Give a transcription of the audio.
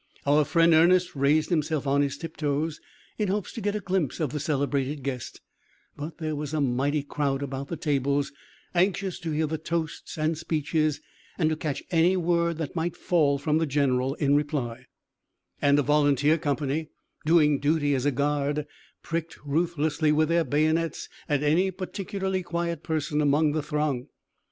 Our friend Ernest raised himself on his tiptoes, in hopes to get a glimpse of the celebrated guest; but there was a mighty crowd about the tables anxious to hear the toasts and speeches, and to catch any word that might fall from the general in reply; and a volunteer company, doing duty as a guard, pricked ruthlessly with their bayonets at any particularly quiet person among the throng.